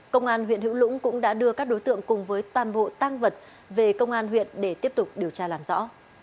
công an huyện hữu lũng cũng đã đưa các đối tượng cùng với toàn bộ tăng vật về công an huyện để tiếp tục điều tra làm rõ